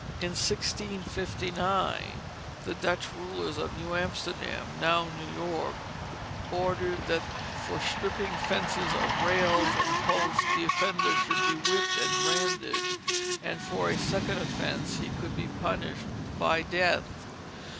In 1659 the Dutch rulers of New Amsterdam (now New York) ordered that for "stripping fences of rails and posts" the offender should be whipped and branded, and for a second offence he could be punished by death.